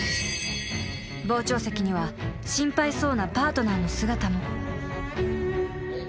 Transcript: ［傍聴席には心配そうなパートナーの姿も］